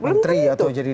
untuk menjadi apa